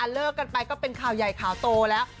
เลิกกันไปก็เป็นข่าวใหญ่ข่าวโตแล้ว